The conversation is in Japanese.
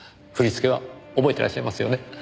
振り付けは覚えてらっしゃいますよね？